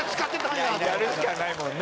やるしかないもんね。